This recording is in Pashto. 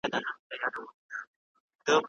که کرکټ وکړو نو مینه نه کمیږي.